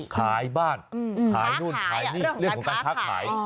ขายบ้านขายนู่นขายนี่เรื่องของการค้าขาย